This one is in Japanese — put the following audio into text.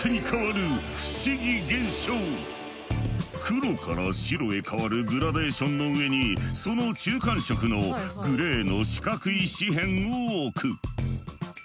黒から白へ変わるグラデーションの上にその中間色のグレーの四角い紙片を置く。